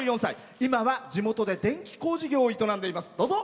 今は地元で電気工事業を営んでいます。